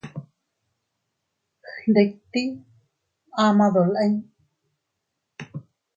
Gnditit ama dolin.